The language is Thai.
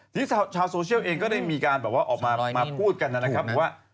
นี่ชาวโซเชียลเองก็ได้ออกมาพูดกันว่า